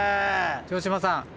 城島さん